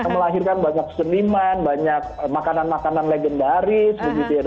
melahirkan banyak seniman banyak makanan makanan legendaris